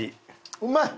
うまい！